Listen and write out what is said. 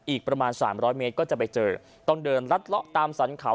อีกประมาณสามร้อยเมตรก็จะไปเจอต้องเดินลัดเลาะตามสรรเขา